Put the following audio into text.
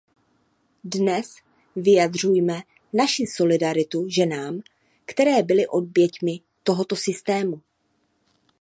Dnes vyjadřujme naši solidaritu ženám, které byly oběťmi tohoto systému.